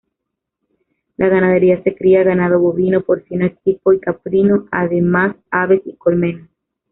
La ganadería se cría ganado bovino, porcino, equipo y caprino, además, aves y colmenas.